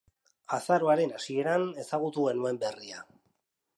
Azaroaren hasieran ezagutu genuen berria.